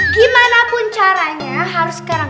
gimanapun caranya harus sekarang